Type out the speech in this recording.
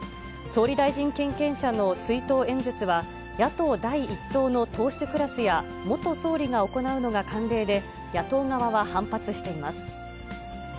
総理大臣経験者の追悼演説は、野党第１党の党首クラスや元総理が行うのが慣例で、野党側は反発しています。